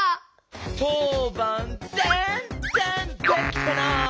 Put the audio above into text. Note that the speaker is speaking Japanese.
とうばんぜんぜんできてない！